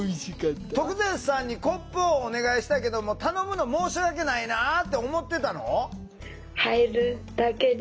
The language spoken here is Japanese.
徳善さんにコップをお願いしたけども頼むの申し訳ないなあって思ってたの？